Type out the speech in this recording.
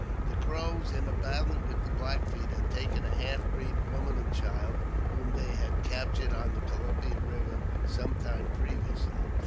The Crows, in a battle with the Black Feet, had taken a half breed woman and child, whom they had captured on the Columbia Eiver some time previously.